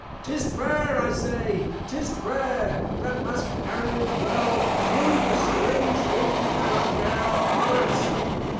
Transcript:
'Tis PRAYER, I say, 'tis PRAYER, that must carry us well through the strange things that are now upon us.